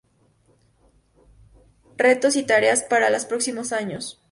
Retos y tareas para los próximos Años.